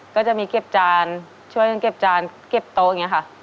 ก็จะมีเก็บจานช่วยกันเก็บจานเก็บโต๊ะอย่างนี้ค่ะ